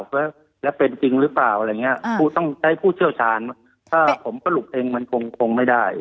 ว่าแล้วเป็นจริงหรือเปล่าอะไรอย่างเงี้ยผู้ต้องใช้ผู้เชี่ยวชาญถ้าผมสรุปเองมันคงไม่ได้